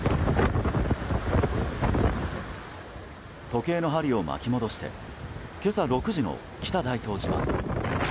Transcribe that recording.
時計の針を巻き戻して今朝６時の北大東島。